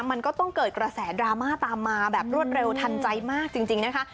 มันก็ต้องเกิดกระแสดราม่าตามมาแบบรวดเร็วทันใจมากจริงนะคะ